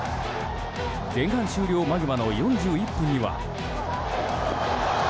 前半終了間際の４１分には。